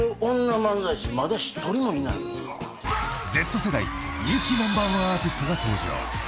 ［Ｚ世代人気ナンバーワンアーティストが登場］